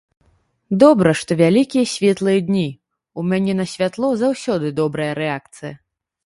Добра, што вялікія светлыя дні, у мяне на святло заўсёды добрая рэакцыя.